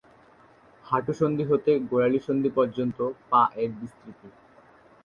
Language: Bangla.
হাঁটু সন্ধি হতে গোড়ালি সন্ধি পর্যন্ত পা এর বিস্তৃতি।